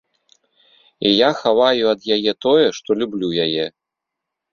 І я хаваю ад яе тое, што люблю яе.